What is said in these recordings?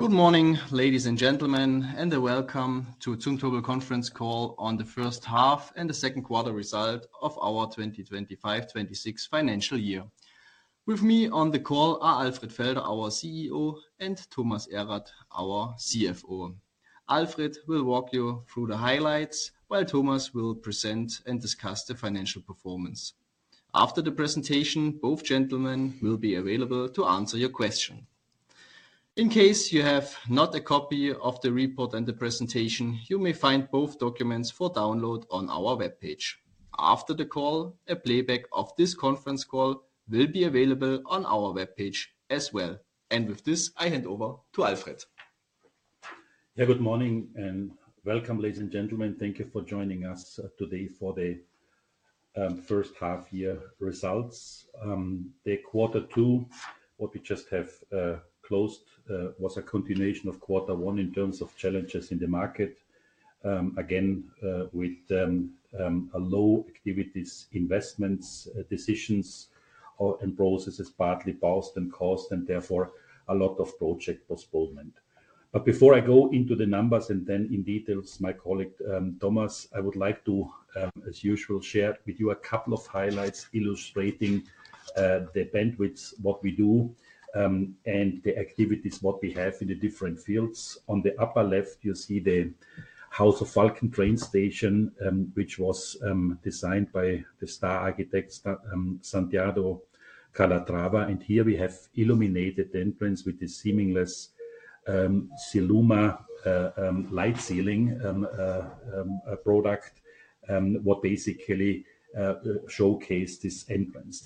Good morning, ladies and gentlemen, and welcome to the Zumtobel Conference call on the first half and the second quarter results of our 2025-2026 financial year. With me on the call are Alfred Felder, our CEO, and Thomas Erath, our CFO. Alfred will walk you through the highlights, while Thomas will present and discuss the financial performance. After the presentation, both gentlemen will be available to answer your questions. In case you have not a copy of the report and the presentation, you may find both documents for download on our webpage. After the call, a playback of this conference call will be available on our webpage as well, and with this, I hand over to Alfred. Yeah, good morning and welcome, ladies and gentlemen. Thank you for joining us today for the first half-year results. The quarter two, what we just have closed, was a continuation of quarter one in terms of challenges in the market. Again, with a low activities, investments, decisions, and processes partly paused and caused, and therefore a lot of project postponement. But before I go into the numbers and then in details, my colleague Thomas, I would like to, as usual, share with you a couple of highlights illustrating the bandwidth, what we do, and the activities, what we have in the different fields. On the upper left, you see the Haus zum Falken, which was designed by the star architect Santiago Calatrava, and here we have illuminated entrances with the seamless CIELUMA light ceiling product, what basically showcased this entrance.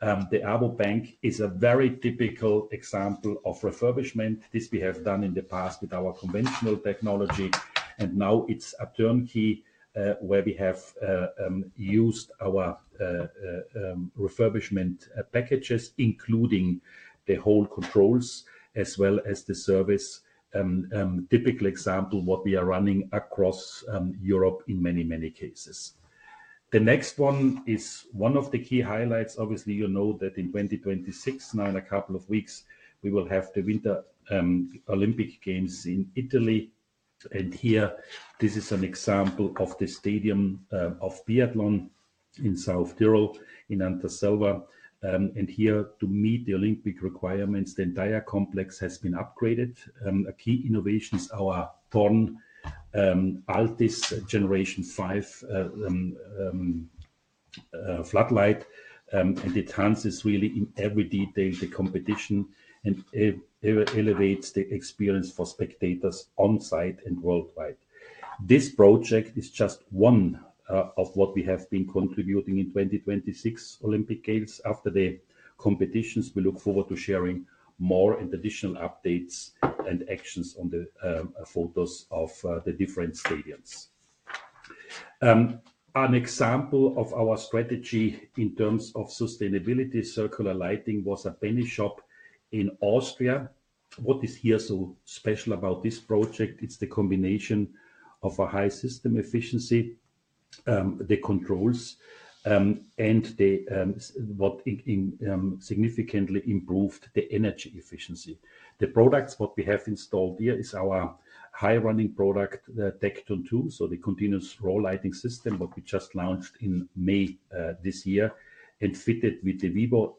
The second one, the Raiffeisenbank Arbon is a very typical example of refurbishment. This we have done in the past with our conventional technology, and now it's a turnkey where we have used our refurbishment packages, including the whole controls as well as the service. Typical example of what we are running across Europe in many, many cases. The next one is one of the key highlights. Obviously, you know that in 2026, now in a couple of weeks, we will have the Winter Olympic Games in Italy, and here, this is an example of the biathlon stadium in South Tyrol in Anterselva. And here, to meet the Olympic requirements, the entire complex has been upgraded. A key innovation is our Thorn Altis Generation 5 floodlight, and it enhances really in every detail the competition and elevates the experience for spectators on site and worldwide. This project is just one of what we have been contributing in 2026 Olympic Games. After the competitions, we look forward to sharing more and additional updates and actions on the photos of the different stadiums. An example of our strategy in terms of sustainability, circular lighting, was a Penny shop in Austria. What is here so special about this project? It's the combination of a high system efficiency, the controls, and what significantly improved the energy efficiency. The products what we have installed here is our high-running product, TECTON II, so the continuous row lighting system that we just launched in May this year and fitted with the Vivo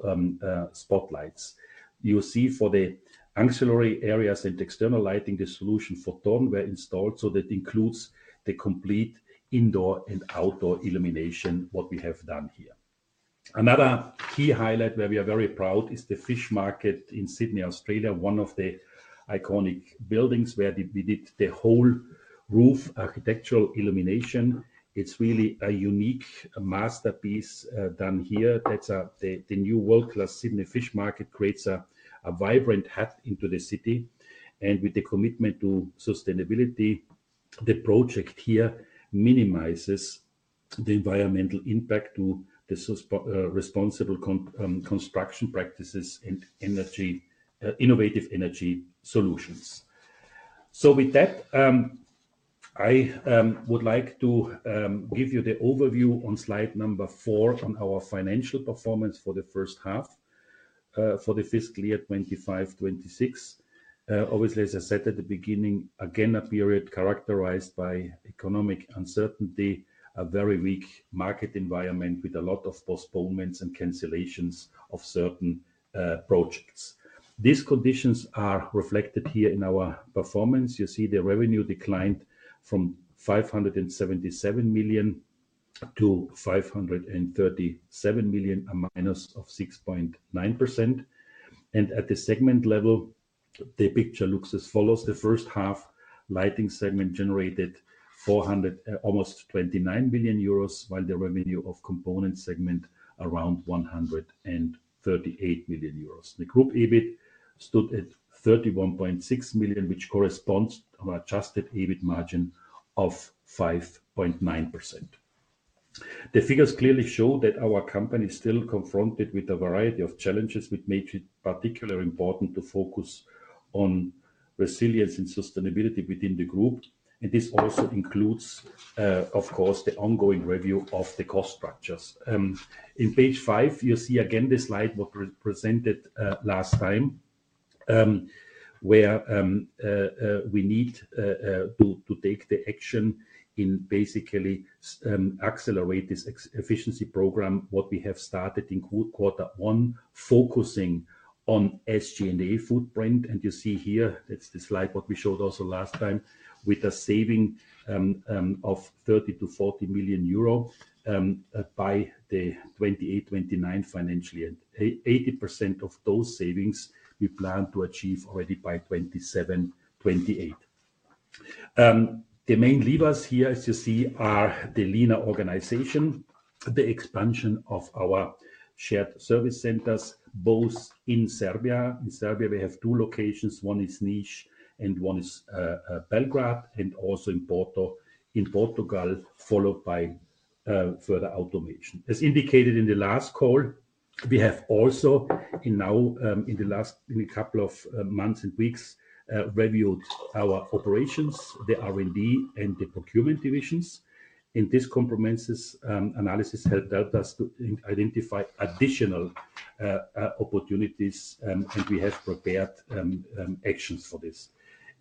spotlights. You see for the ancillary areas and external lighting, the solution for Thorn were installed. So that includes the complete indoor and outdoor illumination what we have done here. Another key highlight where we are very proud is the Sydney Fish Market in Australia, one of the iconic buildings where we did the whole roof architectural illumination. It's really a unique masterpiece done here. The new world-class Sydney Fish Market creates a vibrant hub into the city. And with the commitment to sustainability, the project here minimizes the environmental impact to the responsible construction practices and innovative energy solutions. So with that, I would like to give you the overview on slide number four on our financial performance for the first half for the fiscal year 2025-2026. Obviously, as I said at the beginning, again, a period characterized by economic uncertainty, a very weak market environment with a lot of postponements and cancellations of certain projects. These conditions are reflected here in our performance. You see the revenue declined from 577 million to 537 million, a minus of 6.9%. At the segment level, the picture looks as follows. The first half lighting segment generated almost 29 million euros, while the revenue of component segment around 138 million euros. The group EBIT stood at 31.6 million, which corresponds to an adjusted EBIT margin of 5.9%. The figures clearly show that our company is still confronted with a variety of challenges, with making it particularly important to focus on resilience and sustainability within the group. This also includes, of course, the ongoing review of the cost structures. In page five, you see again the slide what we presented last time, where we need to take the action in basically accelerating this efficiency program what we have started in quarter one, focusing on SG&A footprint. You see here, that's the slide what we showed also last time with the savings of 30 million-40 million euro by the 2028-2029 financial year. 80% of those savings we plan to achieve already by 2027-2028. The main levers here, as you see, are the leaner organization, the expansion of our shared service centers both in Serbia. In Serbia, we have two locations. One is Niš and one is Belgrade, and also in Portugal followed by further automation. As indicated in the last call, we have also now, in the last couple of months and weeks, reviewed our operations, the R&D, and the procurement divisions. And this comprehensive analysis helped us to identify additional opportunities, and we have prepared actions for this.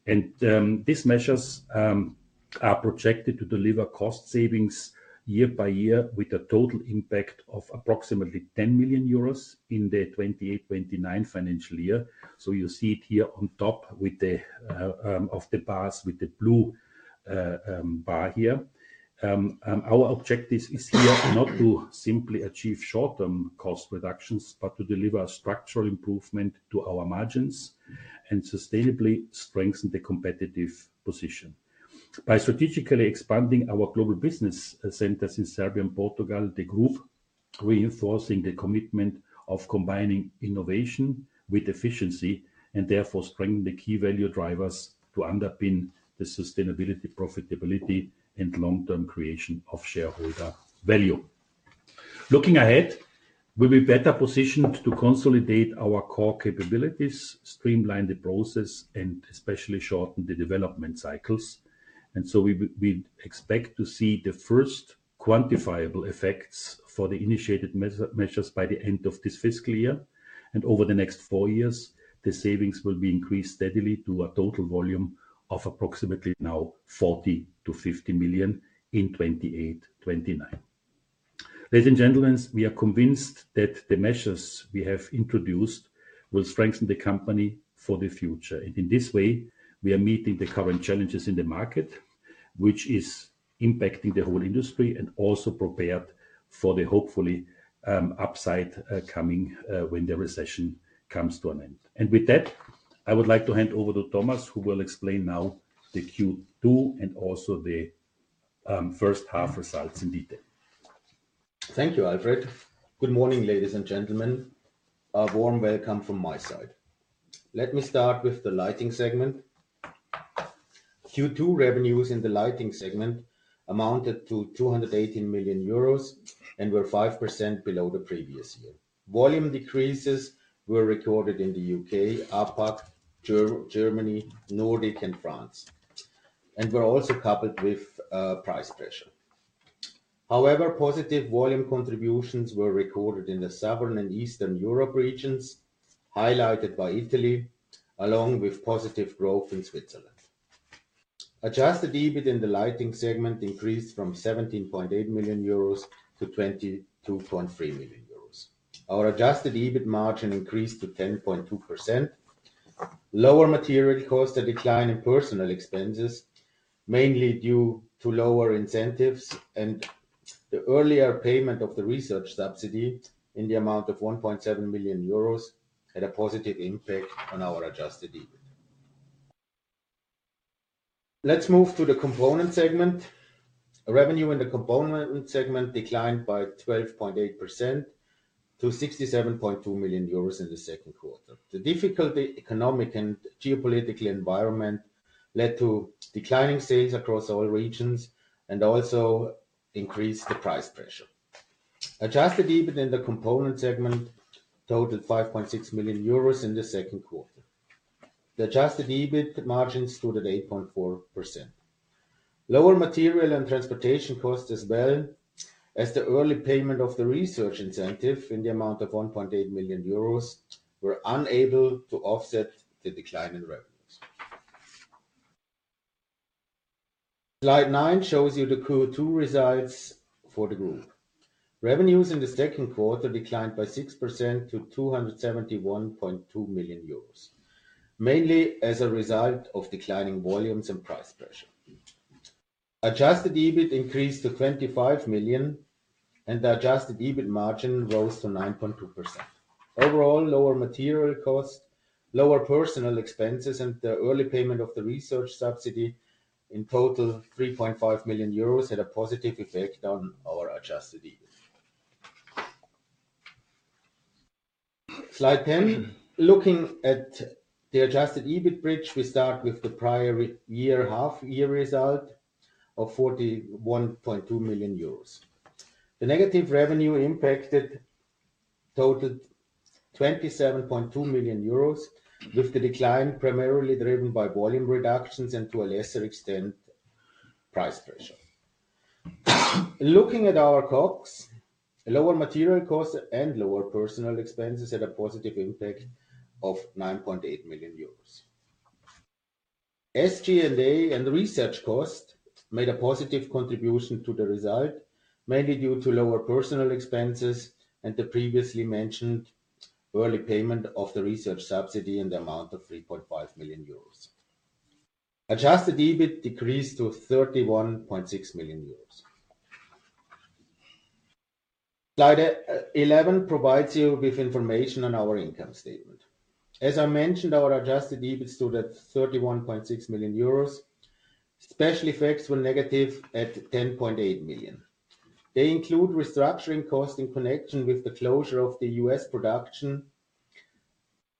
And these measures are projected to deliver cost savings year by year with a total impact of approximately 10 million euros in the 2028-2029 financial year. So you see it here on top with the bars with the blue bar here. Our objective is here not to simply achieve short-term cost reductions, but to deliver structural improvement to our margins and sustainably strengthen the competitive position. By strategically expanding our global business centers in Serbia and Portugal, the group reinforcing the commitment of combining innovation with efficiency and therefore strengthening the key value drivers to underpin the sustainability, profitability, and long-term creation of shareholder value. Looking ahead, we'll be better positioned to consolidate our core capabilities, streamline the process, and especially shorten the development cycles. And so we expect to see the first quantifiable effects for the initiated measures by the end of this fiscal year. And over the next four years, the savings will be increased steadily to a total volume of approximately now 40 million-50 million in 2028-2029. Ladies and gentlemen, we are convinced that the measures we have introduced will strengthen the company for the future, and in this way, we are meeting the current challenges in the market, which is impacting the whole industry and also prepared for the hopefully upcoming upside when the recession comes to an end. And with that, I would like to hand over to Thomas, who will explain now the Q2 and also the first half results in detail. Thank you, Alfred. Good morning, ladies and gentlemen. A warm welcome from my side. Let me start with the lighting segment. Q2 revenues in the lighting segment amounted to 218 million euros and were 5% below the previous year. Volume decreases were recorded in the U.K., APAC, Germany, Nordic, and France, and we're also coupled with price pressure. However, positive volume contributions were recorded in the southern and eastern Europe regions, highlighted by Italy, along with positive growth in Switzerland. Adjusted EBIT in the lighting segment increased from 17.8 million euros to 22.3 million euros. Our adjusted EBIT margin increased to 10.2%. Lower material costs and decline in personal expenses, mainly due to lower incentives and the earlier payment of the research subsidy in the amount of 1.7 million euros, had a positive impact on our adjusted EBIT. Let's move to the component segment. Revenue in the component segment declined by 12.8% to 67.2 million euros in the second quarter. The difficult economic and geopolitical environment led to declining sales across all regions and also increased the price pressure. Adjusted EBIT in the component segment totaled 5.6 million euros in the second quarter. The adjusted EBIT margin stood at 8.4%. Lower material and transportation costs, as well as the early payment of the research incentive in the amount of 1.8 million euros, were unable to offset the decline in revenues. Slide 9 shows you the Q2 results for the group. Revenues in the second quarter declined by 6% to 271.2 million euros, mainly as a result of declining volumes and price pressure. Adjusted EBIT increased to 25 million, and the adjusted EBIT margin rose to 9.2%. Overall, lower material costs, lower personal expenses, and the early payment of the research subsidy in total 3.5 million euros had a positive effect on our adjusted EBIT. Slide 10. Looking at the adjusted EBIT bridge, we start with the prior year-half-year result of 41.2 million euros. The negative revenue impact totaled 27.2 million euros, with the decline primarily driven by volume reductions and to a lesser extent, price pressure. Looking at our COGS, lower material costs and lower personal expenses had a positive impact of 9.8 million euros. SG&A and research costs made a positive contribution to the result, mainly due to lower personal expenses and the previously mentioned early payment of the research subsidy in the amount of 3.5 million euros. Adjusted EBIT decreased to 31.6 million euros. Slide 11 provides you with information on our income statement. As I mentioned, our adjusted EBIT stood at 31.6 million euros. Special effects were negative at 10.8 million. They include restructuring costs in connection with the closure of the U.S. production.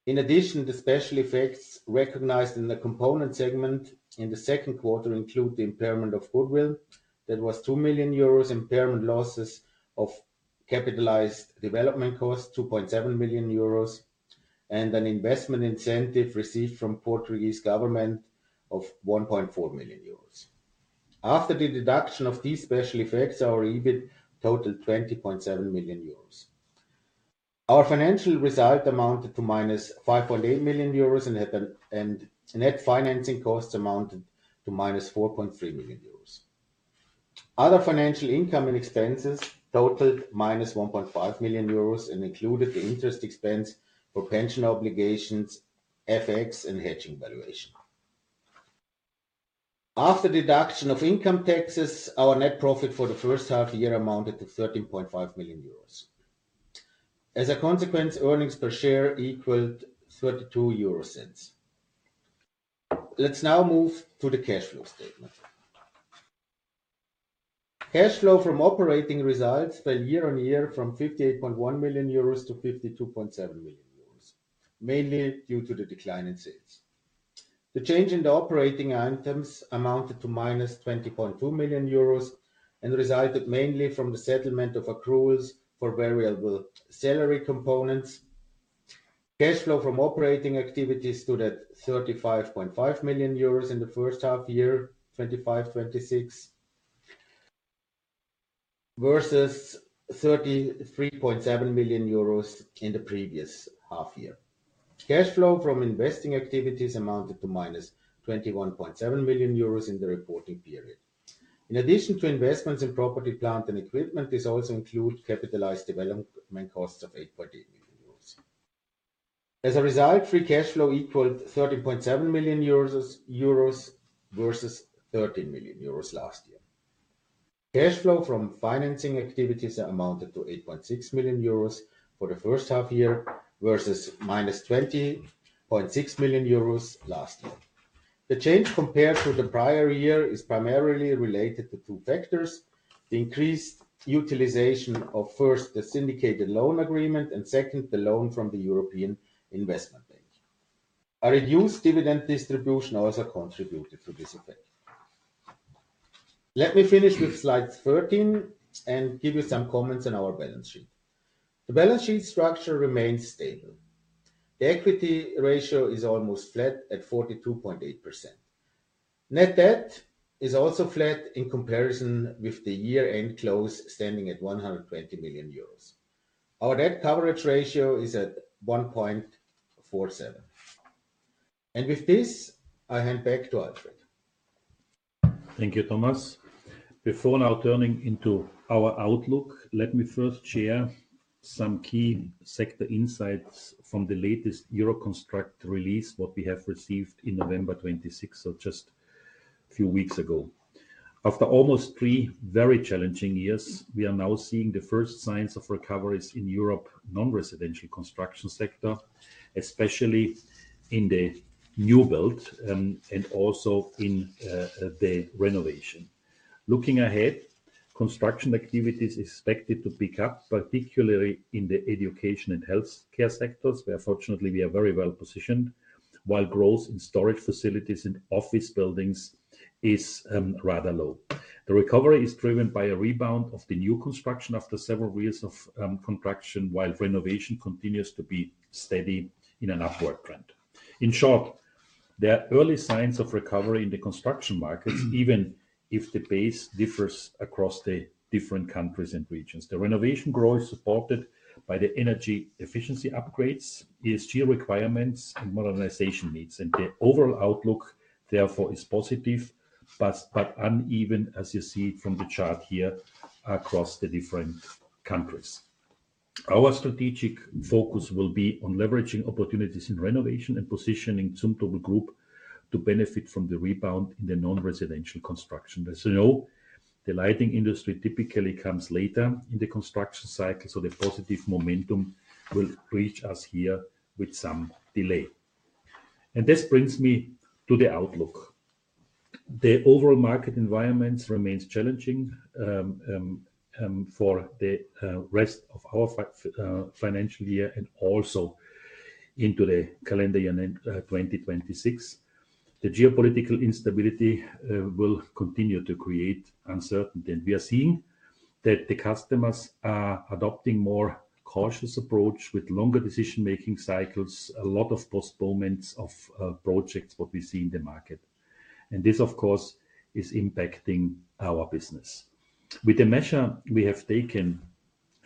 In addition, the special effects recognized in the component segment in the second quarter include the impairment of goodwill. That was 2 million euros impairment losses of capitalized development costs, 2.7 million euros, and an investment incentive received from the Portuguese government of 1.4 million euros. After the deduction of these special effects, our EBIT totaled 20.7 million euros. Our financial result amounted to minus 5.8 million euros and net financing costs amounted to minus 4.3 million euros. Other financial income and expenses totaled minus 1.5 million euros and included the interest expense for pension obligations, FX, and hedging valuation. After deduction of income taxes, our net profit for the first half year amounted to 13.5 million euros. As a consequence, earnings per share equaled 0.32. Let's now move to the cash flow statement. Cash flow from operating results fell year on year from 58.1 million euros to 52.7 million euros, mainly due to the decline in sales. The change in the operating items amounted to minus 20.2 million euros and resulted mainly from the settlement of accruals for variable salary components. Cash flow from operating activities stood at 35.5 million euros in the first half year, 2025-2026, versus 33.7 million euros in the previous half year. Cash flow from investing activities amounted to minus 21.7 million euros in the reporting period. In addition to investments in property, plant, and equipment, this also includes capitalized development costs of 8.8 million euros. As a result, free cash flow equaled 13.7 million euros versus 13 million euros last year. Cash flow from financing activities amounted to 8.6 million euros for the first half year versus minus 20.6 million euros last year. The change compared to the prior year is primarily related to two factors. The increased utilization of, first, the syndicated loan agreement and, second, the loan from the European Investment Bank. A reduced dividend distribution also contributed to this effect. Let me finish with slide 13 and give you some comments on our balance sheet. The balance sheet structure remains stable. The equity ratio is almost flat at 42.8%. Net debt is also flat in comparison with the year-end close standing at 120 million euros. Our debt coverage ratio is at 1.47. And with this, I hand back to Alfred. Thank you, Thomas. Before now turning to our outlook, let me first share some key sector insights from the latest Euroconstruct release, what we have received on November 26, so just a few weeks ago. After almost three very challenging years, we are now seeing the first signs of recovery in Europe's non-residential construction sector, especially in the new build and also in the renovation. Looking ahead, construction activities are expected to pick up, particularly in the education and healthcare sectors, where fortunately we are very well positioned, while growth in storage facilities and office buildings is rather low. The recovery is driven by a rebound of the new construction after several years of contraction, while renovation continues to be steady in an upward trend. In short, there are early signs of recovery in the construction markets, even if the base differs across the different countries and regions. The renovation growth is supported by the energy efficiency upgrades, ESG requirements, and modernization needs, and the overall outlook, therefore, is positive, but uneven, as you see from the chart here, across the different countries. Our strategic focus will be on leveraging opportunities in renovation and positioning Zumtobel Group to benefit from the rebound in the non-residential construction. As you know, the lighting industry typically comes later in the construction cycle, so the positive momentum will reach us here with some delay, and this brings me to the outlook. The overall market environment remains challenging for the rest of our financial year and also into the calendar year 2026. The geopolitical instability will continue to create uncertainty, and we are seeing that the customers are adopting a more cautious approach with longer decision-making cycles, a lot of postponements of projects, what we see in the market. This, of course, is impacting our business. With the measures we have taken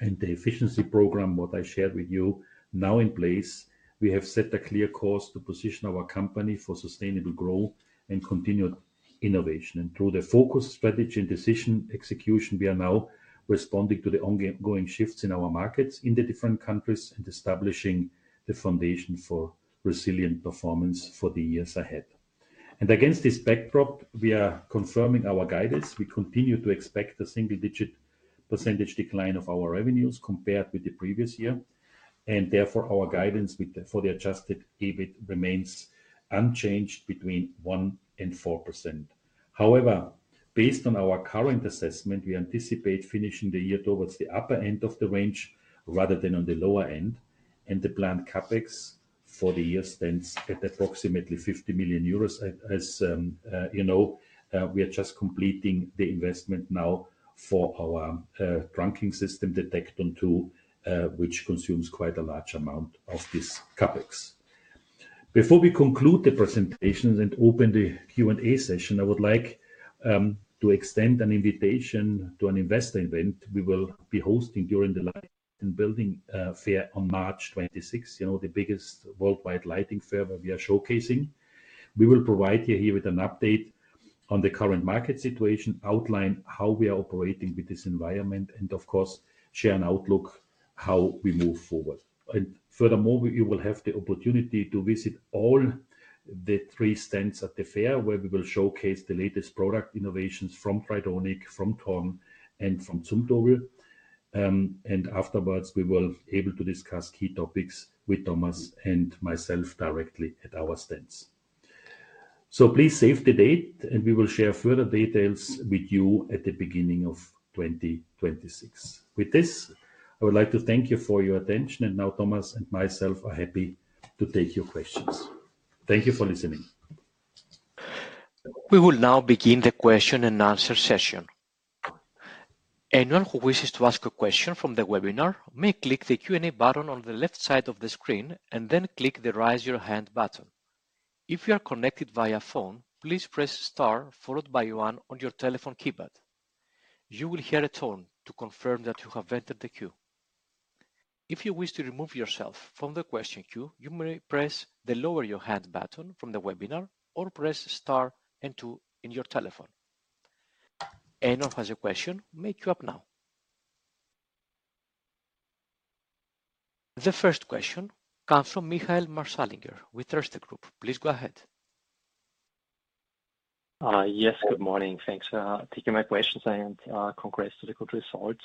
and the efficiency program, what I shared with you, now in place, we have set a clear course to position our company for sustainable growth and continued innovation. Through the focus strategy and decision execution, we are now responding to the ongoing shifts in our markets in the different countries and establishing the foundation for resilient performance for the years ahead. Against this backdrop, we are confirming our guidance. We continue to expect a single-digit % decline of our revenues compared with the previous year. Therefore, our guidance for the adjusted EBIT remains unchanged between 1% and 4%. However, based on our current assessment, we anticipate finishing the year towards the upper end of the range rather than on the lower end. And the planned CapEx for the year stands at approximately 50 million euros, as you know, we are just completing the investment now for our trunking system, the TECTON II, which consumes quite a large amount of this CapEx. Before we conclude the presentations and open the Q&A session, I would like to extend an invitation to an investor event we will be hosting during the Light + Building Fair on March 26, the biggest worldwide lighting fair that we are showcasing. We will provide you here with an update on the current market situation, outline how we are operating with this environment, and, of course, share an outlook on how we move forward. And furthermore, you will have the opportunity to visit all the three stands at the fair, where we will showcase the latest product innovations from Tridonic, from Thorn, and from Zumtobel. And afterwards, we will be able to discuss key topics with Thomas and myself directly at our stands. So please save the date, and we will share further details with you at the beginning of 2026. With this, I would like to thank you for your attention. And now, Thomas and myself are happy to take your questions. Thank you for listening. We will now begin the question and answer session. Anyone who wishes to ask a question from the webinar may click the Q&A button on the left side of the screen and then click the Raise Your Hand button. If you are connected via phone, please press Star followed by 1 on your telephone keypad. You will hear a tone to confirm that you have entered the queue. If you wish to remove yourself from the question queue, you may press the Lower Your Hand button from the webinar or press Star and 2 on your telephone. Anyone who has a question may queue up now. The first question comes from Michael Marschallinger with Erste Group. Please go ahead. Yes, good morning. Thanks for taking my question, and congrats to the good results.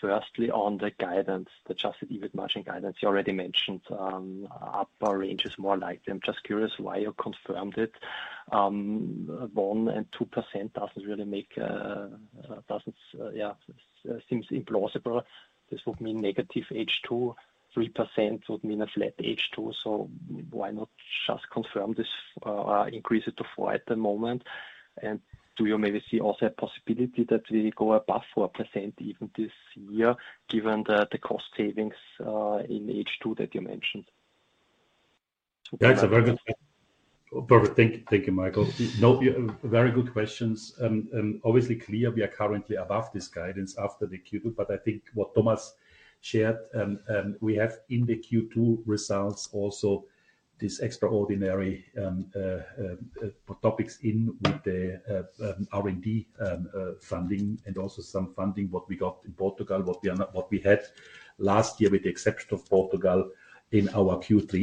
Firstly, on the guidance, the Adjusted EBIT margin guidance, you already mentioned upper ranges more likely. I'm just curious why you confirmed it. One and two% doesn't really make sense, yeah, seems implausible. This would mean negative H2. Three% would mean a flat H2. So why not just confirm this, increase it to four% at the moment? And do you maybe see also a possibility that we go above four% even this year, given the cost savings in H2 that you mentioned? Yeah, it's a very good question. Perfect. Thank you, Michael. No, very good questions. Obviously, clearly, we are currently above this guidance after the Q2. But I think what Thomas shared, we have in the Q2 results also these extraordinary items including the R&D funding and also some funding, what we got in Portugal, what we had last year, with the exception of Portugal in our Q3.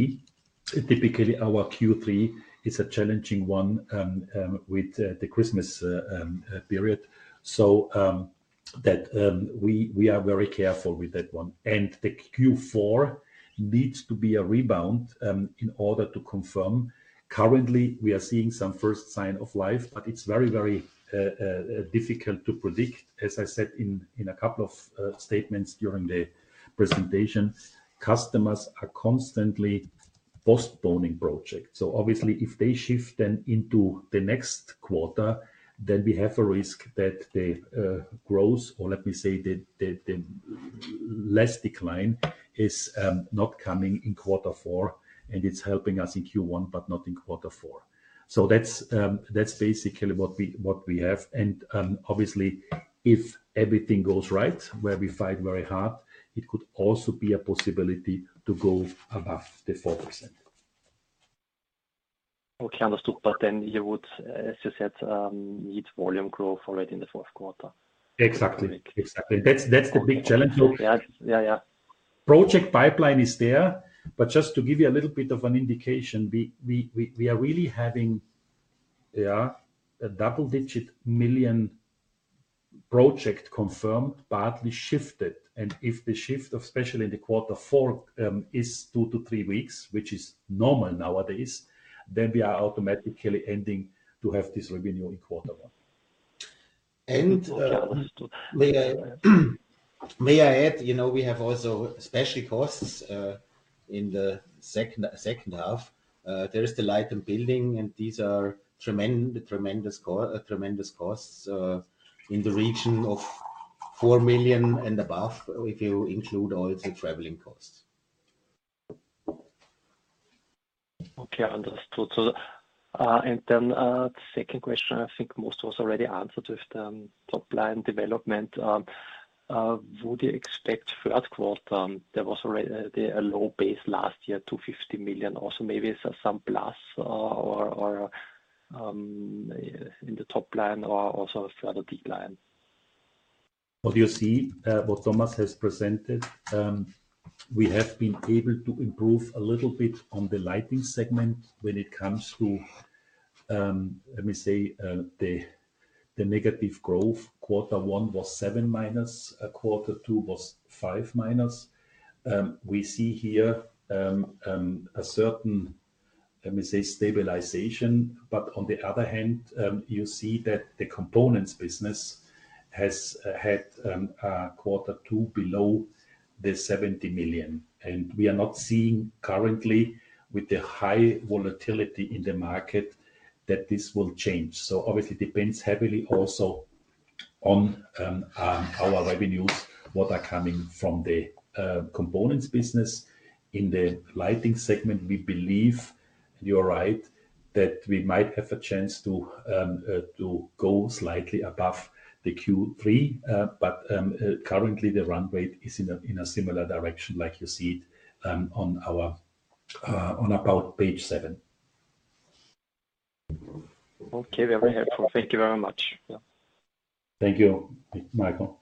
Typically, our Q3 is a challenging one with the Christmas period. So that we are very careful with that one. And the Q4 needs to be a rebound in order to confirm. Currently, we are seeing some first signs of life, but it's very, very difficult to predict. As I said in a couple of statements during the presentation, customers are constantly postponing projects. So obviously, if they shift then into the next quarter, then we have a risk that the growth, or let me say the less decline, is not coming in quarter four. And it's helping us in Q1, but not in quarter four. So that's basically what we have. And obviously, if everything goes right, where we fight very hard, it could also be a possibility to go above the 4%. Okay, understood, but then you would, as you said, need volume growth already in the fourth quarter. Exactly. Exactly. That's the big challenge. Yeah, yeah, yeah. Project pipeline is there. But just to give you a little bit of an indication, we are really having, yeah, a double-digit million EUR project confirmed, partly shifted. And if the shift, especially in quarter four, is two to three weeks, which is normal nowadays, then we are automatically ending to have this revenue in quarter one. And. And may I add, you know, we have also special costs in the second half. There is the Light + Building, and these are tremendous costs in the region of 4 million and above if you include all the traveling costs. Okay, understood. And then the second question, I think most of us already answered with top-line development. Would you expect third quarter there was already a low base last year, 250 million, also maybe some plus in the top line or also further decline? What you see, what Thomas has presented, we have been able to improve a little bit on the lighting segment when it comes to, let me say, the negative growth. Quarter one was -7%, quarter two was -5%. We see here a certain, let me say, stabilization. But on the other hand, you see that the components business has had quarter two below the 70 million. And we are not seeing currently, with the high volatility in the market, that this will change. So obviously, it depends heavily also on our revenues, what are coming from the components business. In the lighting segment, we believe, and you're right, that we might have a chance to go slightly above the Q3. But currently, the run rate is in a similar direction, like you see it on about page seven. Okay, very helpful. Thank you very much. Thank you, Michael.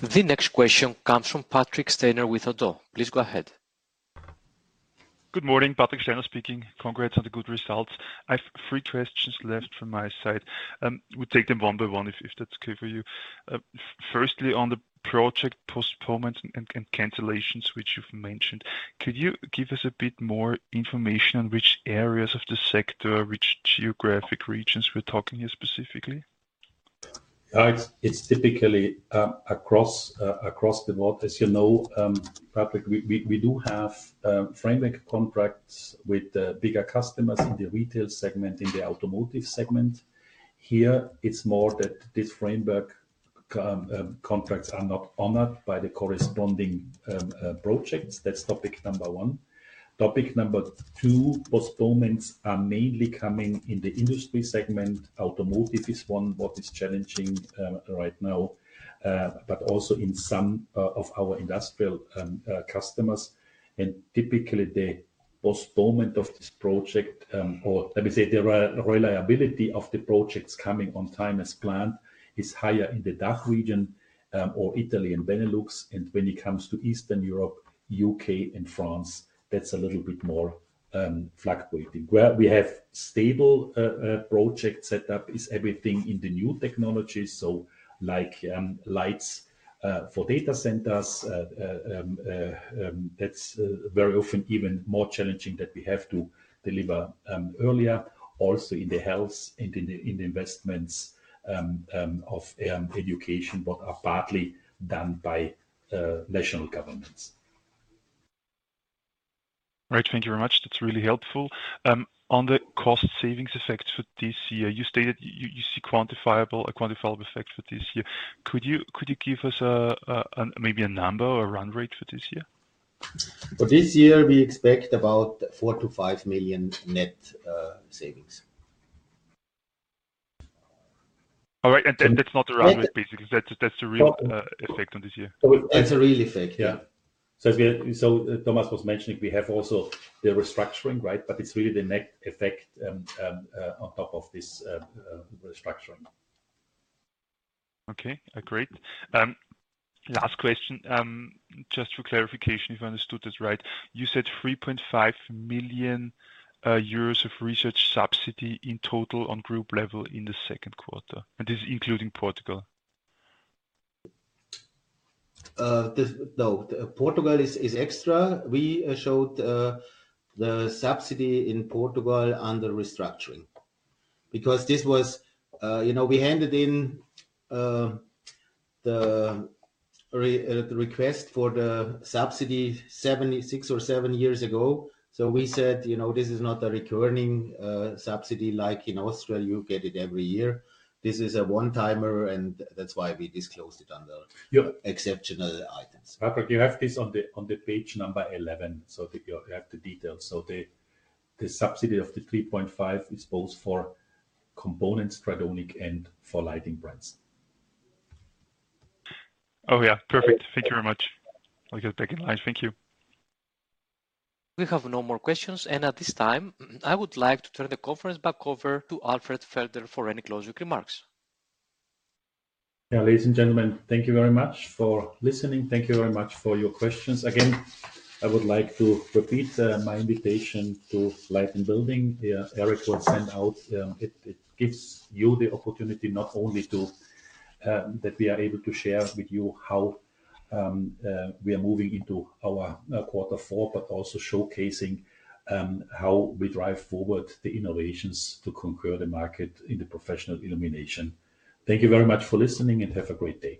The next question comes from Patrick Steiner with ODDO BHF. Please go ahead. Good morning, Patrick Steiner speaking. Congrats on the good results. I have three questions left from my side. We'll take them one by one if that's okay for you. Firstly, on the project postponements and cancellations, which you've mentioned, could you give us a bit more information on which areas of the sector, which geographic regions we're talking here specifically? It's typically across the board. As you know, we do have framework contracts with the bigger customers in the retail segment, in the automotive segment. Here, it's more that these framework contracts are not honored by the corresponding projects. That's topic number one. Topic number two, postponements are mainly coming in the industry segment. Automotive is one, what is challenging right now, but also in some of our industrial customers, and typically, the postponement of this project, or let me say, the reliability of the projects coming on time as planned is higher in the DACH region or Italy and Benelux, and when it comes to Eastern Europe, UK, and France, that's a little bit more fluctuating. Where we have stable projects set up is everything in the new technology, so like lights for data centers. That's very often even more challenging that we have to deliver earlier. Also in the health and in the investments of education, what are partly done by national governments. All right, thank you very much. That's really helpful. On the cost savings effects for this year, you stated you see a quantifiable effect for this year. Could you give us maybe a number or a run rate for this year? For this year, we expect about 4 million-5 million net savings. All right. And that's not the run rate, basically. That's the real effect on this year. That's a real effect, yeah. So Thomas was mentioning we have also the restructuring, right? But it's really the net effect on top of this restructuring. Okay, great. Last question, just for clarification, if I understood this right. You said 3.5 million euros of research subsidy in total on group level in the second quarter. And this is including Portugal. No, Portugal is extra. We showed the subsidy in Portugal under restructuring because this was, you know, we handed in the request for the subsidy six or seven years ago. So we said, you know, this is not a recurring subsidy like in Austria. You get it every year. This is a one-timer, and that's why we disclosed it under exceptional items. But you have this on the page number 11, so you have the details. So the subsidy of the 3.5 is both for components, Tridonic, and for lighting brands. Oh, yeah. Perfect. Thank you very much. I'll get back in line. Thank you. We have no more questions, and at this time, I would like to turn the conference back over to Alfred Felder for any closing remarks. Yeah, ladies and gentlemen, thank you very much for listening. Thank you very much for your questions. Again, I would like to repeat my invitation to Light + Building. IR will send out. It gives you the opportunity not only that we are able to share with you how we are moving into our quarter four, but also showcasing how we drive forward the innovations to conquer the market in the professional illumination. Thank you very much for listening and have a great day.